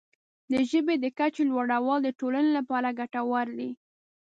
د ژبې د کچې لوړول د ټولنې لپاره ګټور دی.